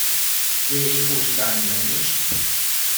Je jejich používání levnější?